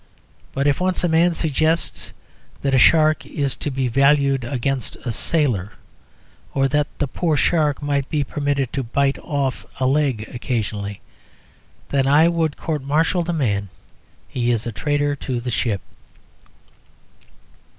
But if once a man suggests that a shark is to be valued against a sailor, or that the poor shark might be permitted to bite off a nigger's leg occasionally; then I would court martial the man he is a traitor to the ship.